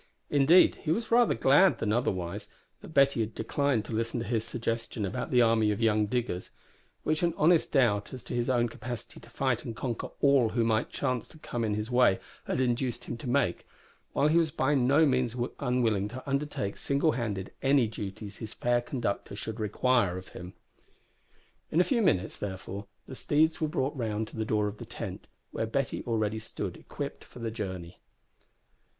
Indeed he was rather glad than otherwise that Betty had declined to listen to his suggestion about the army of young diggers which an honest doubt as to his own capacity to fight and conquer all who might chance to come in his way had induced him to make while he was by no means unwilling to undertake, singlehanded, any duties his fair conductor should require of him. In a few minutes, therefore, the steeds were brought round to the door of the tent, where Betty already stood equipped for the journey.